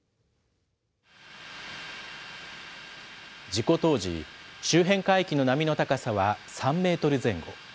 事故当時、周辺海域の波の高さは３メートル前後。